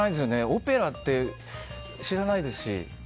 オペラって、知らないですし。